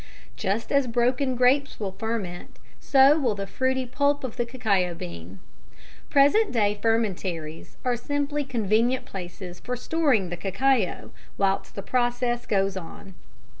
Just as broken grapes will ferment, so will the fruity pulp of the cacao bean. Present day fermentaries are simply convenient places for storing the cacao whilst the process goes on.